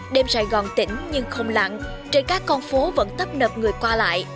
đêm sài gòn tỉnh nhưng không lặn trên các con phố vẫn tấp nập người qua lại